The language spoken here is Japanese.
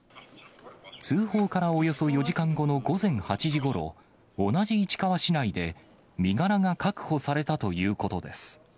通報からおよそ４時間後の午前８時ごろ、同じ市川市内で身柄が確保されたということです。